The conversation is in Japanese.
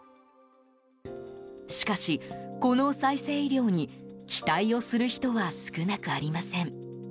しかし、この再生医療に期待をする人は少なくありません。